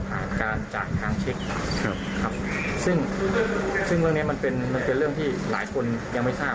ผ่านการจ่ายทางเช็คครับซึ่งเรื่องนี้มันเป็นเรื่องที่หลายคนยังไม่ทราบ